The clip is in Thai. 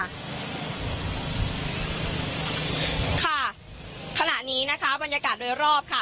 ค่ะขณะนี้นะคะบรรยากาศโดยรอบค่ะ